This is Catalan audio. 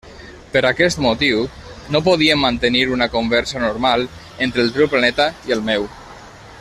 Per aquest motiu no podíem mantenir una conversa normal entre el teu planeta i el meu.